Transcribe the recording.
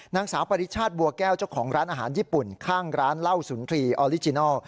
นางสาวปริชาติบัวแก้วเจ้าของร้านอาหารญี่ปุ่นข้างร้านเหล้าสุนทรีย์ออริจินัล